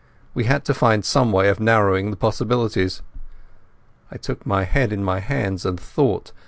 We had to find some way of narrowing the possibilities. I took my head in my hands and thought.